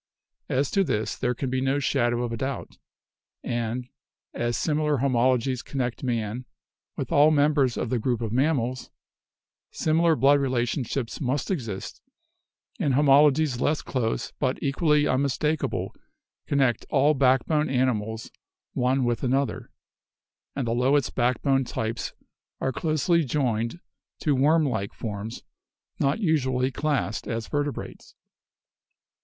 As to this there can be no shadow of a doubt, and, as similar homologies connect man with all members of the group of mammals, similar blood relationship must exist; and homologies less close but equally unmistakable connect all backboned animals one with another, and the lowest backboned types are closely joined to wormlike forms not usually classed as vertebrates.